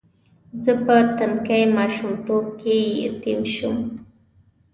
زه په تنکي ماشومتوب کې یتیم شوم.